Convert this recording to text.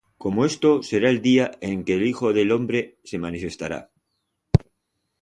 Como esto será el día en que el Hijo del hombre se manifestará.